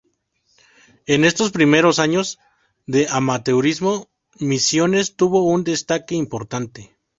En esos primeros años de amateurismo, Misiones tuvo un destaque importante.